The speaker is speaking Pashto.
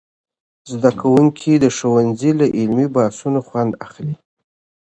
زدهکوونکي د ښوونځي له علمي بحثونو خوند اخلي.